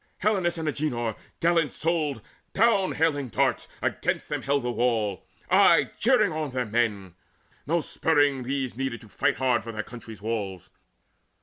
Helenus and Agenor gallant souled, Down hailing darts, against them held the wall, Aye cheering on their men. No spurring these Needed to fight hard for their country's walls.